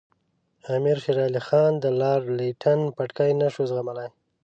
امیر شېر علي خان د لارډ لیټن پټکې نه شو زغملای.